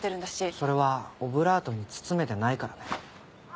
それはオブラートに包めてないからね。